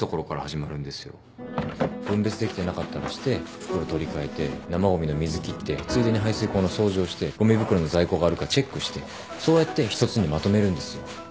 分別できてなかったらして袋取り換えて生ごみの水切ってついでに排水口の掃除をしてごみ袋の在庫があるかチェックしてそうやって１つにまとめるんですよ。